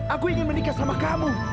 aku ingin menikah sama kamu